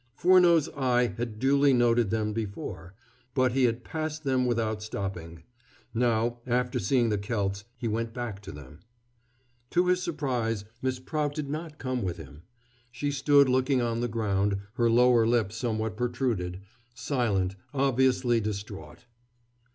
Furneaux's eye had duly noted them before, but he had passed them without stopping. Now, after seeing the celts, he went back to them. To his surprise, Miss Prout did not come with him. She stood looking on the ground, her lower lip somewhat protruded, silent, obviously distrait.